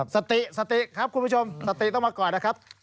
สติสติครับคุณผู้ชมสติต้องมาก่อนนะครับ